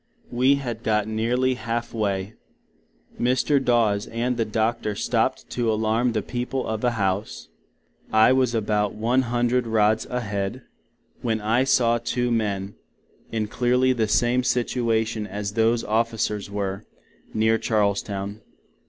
We had got nearly half way. Mr Daws and the Doctor stoped to allarm the people of a House: I was about one hundred Rod a head, when I saw two men, in nearly the same situation as those officer were, near Charlestown.